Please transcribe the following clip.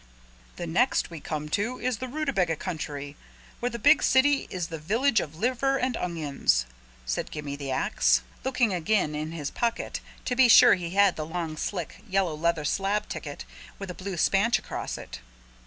"The next we come to is the Rootabaga Country where the big city is the Village of Liver and Onions," said Gimme the Ax, looking again in his pocket to be sure he had the long slick yellow leather slab ticket with a blue spanch across it.